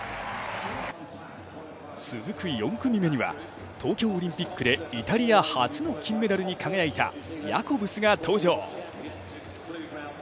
続く４組目は、東京オリンピックでイタリア初の金メダルに輝いたヤコブスが登場。